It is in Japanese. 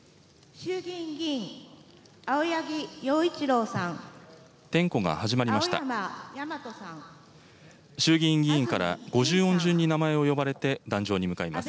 衆議院議員から五十音順に名前を呼ばれて、壇上に向かいます。